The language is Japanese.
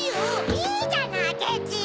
いいじゃないケチ！